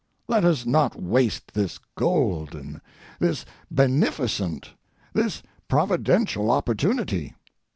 Let us not waste this golden, this beneficent, this providential opportunity.